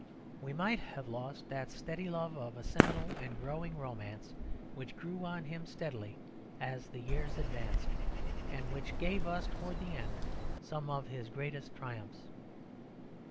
We might have lost that steady love of a seminal and growing romance which grew on him steadily as the years advanced, and which gave us towards the end some of his greatest triumphs.